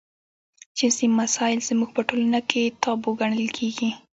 جنسي مسایل زموږ په ټولنه کې تابو ګڼل کېږي.